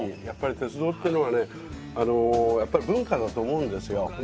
やっぱり鉄道っていうのはねやっぱり文化だと思うんですよ。